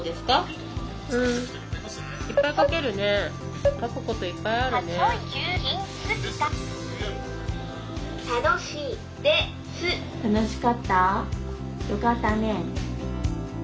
よかったね。